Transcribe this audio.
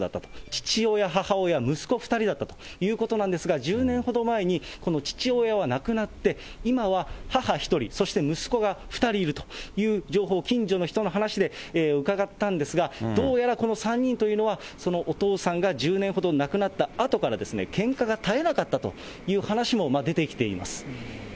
父親、母親、息子２人だったということなんですが、１０年ほど前に、この父親は亡くなって、今は母１人、そして息子が２人いるという情報を近所の人の話で伺ったんですが、どうやらこの３人というのは、そのお父さんが１０年ほど、亡くなったあとから、けんかが絶えなかったという話も出てきています。